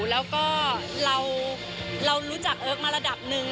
แล้วก็เรารู้จักเอิ๊กมาระดับหนึ่ง